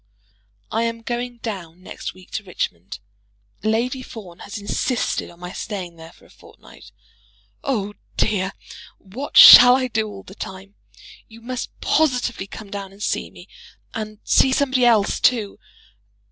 I am going down next week to Richmond. Lady Fawn has insisted on my staying there for a fortnight. Oh, dear, what shall I do all the time? You must positively come down and see me, and see somebody else too!